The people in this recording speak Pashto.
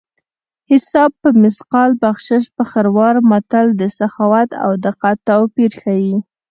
حساب په مثقال بخشش په خروار متل د سخاوت او دقت توپیر ښيي